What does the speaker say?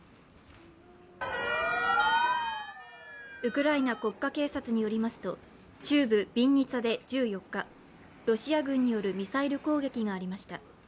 ウクライナ国家警察によりますと中部ビンニツァで１４日ロシア軍によるミサイル攻撃がありました。